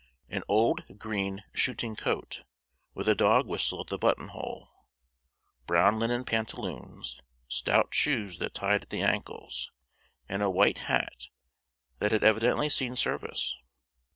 An old green shooting coat, with a dog whistle at the buttonhole, brown linen pantaloons, stout shoes that tied at the ankles, and a white hat that had evidently seen service.